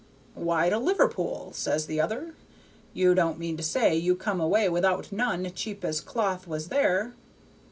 'Why, to Liverpool,' says the other; 'you don't mean to say you come away without none, cheap as cloth was there?'